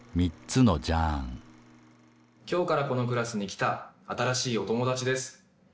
今日からこのクラスに来た新しいお友達です。